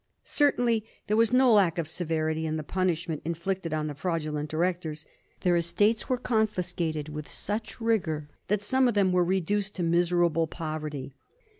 Certainly there was no lack of severity in the punishment inflicted on the fi audulent directors. Their estates were confiscated with such rigour that some of them were reduced to miserable poverty.